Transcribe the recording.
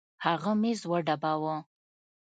هغه ميز وډباوه.